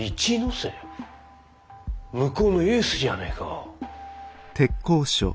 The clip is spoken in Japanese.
向こうのエースじゃねえか。